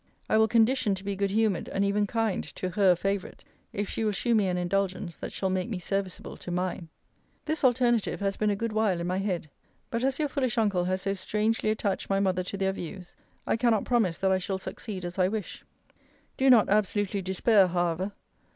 I will condition to be good humoured, and even kind, to HER favourite, if she will shew me an indulgence that shall make me serviceable to MINE. This alternative has been a good while in my head. But as your foolish uncle has so strangely attached my mother to their views, I cannot promise that I shall succeed as I wish. Do not absolutely despair, however.